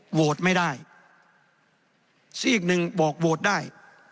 โหวตไม่ได้ซีกหนึ่งบอกโหวตได้